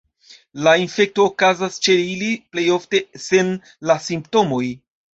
La infekto okazas ĉe ili plej ofte sen la simptomoj.